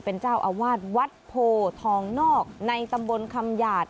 เป็นเจ้าอาวาสวัดโพทองนอกในตำบลคำหยาด